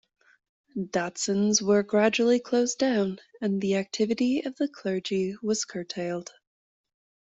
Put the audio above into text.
Datsans were gradually closed down and the activity of the clergy was curtailed.